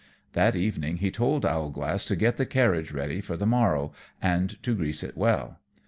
That evening he told Owlglass to get the carriage ready for the morrow, and to grease it well.